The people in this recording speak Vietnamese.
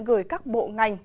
gửi các bộ ngành